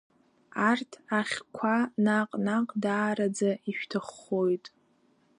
Арҭ ахьқәа наҟ-наҟ даараӡа ишәҭаххоит…